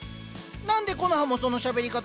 何でコノハもそのしゃべり方？